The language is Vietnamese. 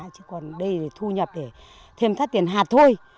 chứ còn đây thì thu nhập để thêm thắt tiền hạt thôi